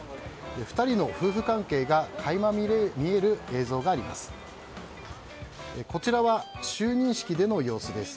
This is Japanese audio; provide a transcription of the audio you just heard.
２人の夫婦関係が垣間見える映像があります。